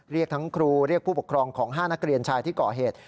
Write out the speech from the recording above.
เรียกทั้งครูเรียกผู้ปกครองของ๕นักเรียนชายที่ก่อเหตุ